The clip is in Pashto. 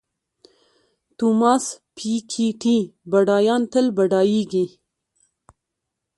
توماس پیکیټي بډایان تل بډایېږي.